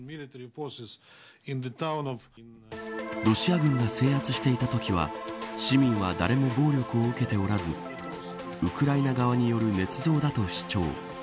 ロシア軍が制圧していたときは市民は誰も暴力を受けておらずウクライナ側による捏造だと主張。